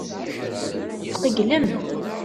Tqeyylem.